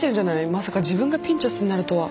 まさか自分がピンチョスになるとは。